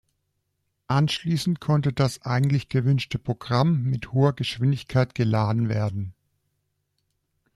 Anschließend konnte das eigentlich gewünschte Programm mit hoher Geschwindigkeit geladen werden.